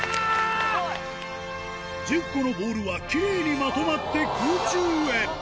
１０個のボールはきれいにまとまって空中へ。